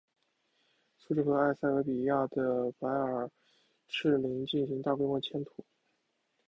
苏丹和埃塞俄比亚的白耳赤羚进行大规模迁徙。